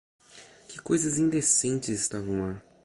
Que coisas indecentes estavam lá!